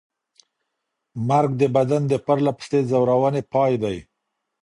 مرګ د بدن د پرله پسې ځورونې پای دی.